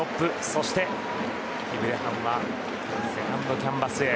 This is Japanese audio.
そしてキブレハンはセカンドキャンバスへ。